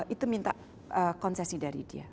itu minta konsesi dari dia